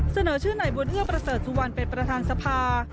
เสนอชื่อนายบุญเอื้อประเสริฐสุวรรณเป็นประธานสภา